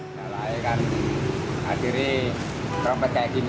kalau saya kan hadirin trompet kayak gini